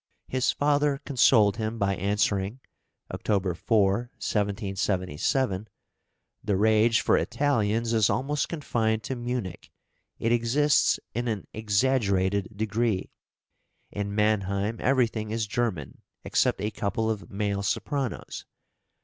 His father consoled him by answering (October 4,1777): "The rage for Italians is almost confined to Munich; it exists in an exaggerated degree. In Mannheim, everything is German, except a couple of male sopranos.